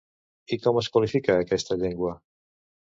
I com es qualifica aquesta llengua?